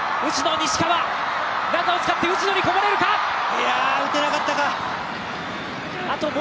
いや、打てなかったか。